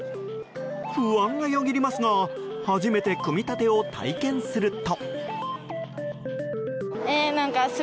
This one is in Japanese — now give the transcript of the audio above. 不安がよぎりますが初めて組み立てを体験すると。